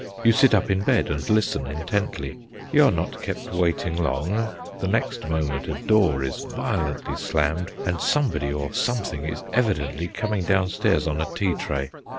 You sit up in bed and listen intently. You are not kept waiting long; the next moment a door is violently slammed, and somebody, or something, is evidently coming downstairs on a tea tray.